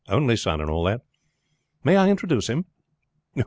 Only son, and all that. May I introduce him?"